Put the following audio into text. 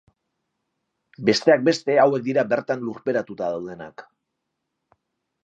Besteak beste hauek dira bertan lurperatuta daudenak.